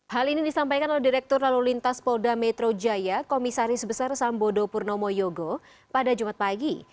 hal ini disampaikan oleh direktur lalu lintas polda metro jaya komisaris besar sambodo purnomo yogo pada jumat pagi